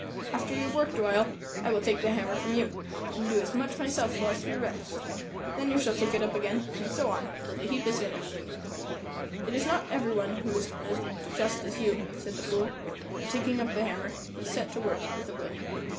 After you have worked awhile, I will take the hammer from you, and do as much myself whilst you rest. Then you shall take it up again, and so on till the heap is finished." "It is not every one who is as just as you," said the Fool; and taking up the hammer, he set to work with a will.